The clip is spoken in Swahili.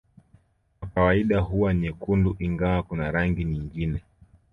Kwa kawaida huwa nyekundu ingawa kuna rangi nyingine